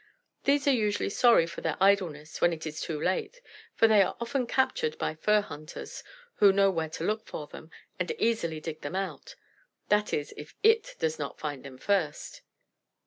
These are usually sorry for their idleness when it is too late, for they are often captured by fur hunters, who know where to look for them, and easily dig them out. That is, if IT does not find them first."